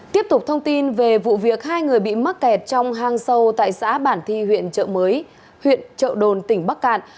tiếp tục thông tin về vụ việc hai người bị mắc kẹt trong hang sâu tại xã bản thi huyện trợ mới huyện trợ đồn tỉnh bắc cạn